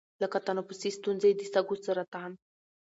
لـکه تنفـسي سـتونـزې، د سـږوسـرطـان،